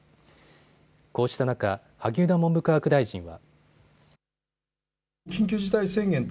こうした中萩生田文部科学大臣は。